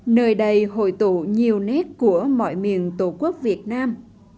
nơi đây hội tụ nhiều nét của mọi miền tổ quốc việt nam